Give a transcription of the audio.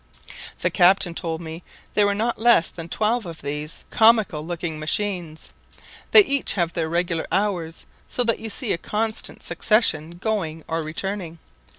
The captain told me there were not less than twelve of these comical looking machines. They each have their regular hours, so that you see a constant succession going or returning.